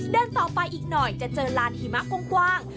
เดินต่อไปอีกหน่อยจะเจอลานหิมะกว้าง